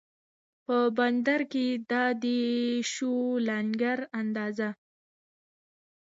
په بندر کې دا دی شو لنګر اندازه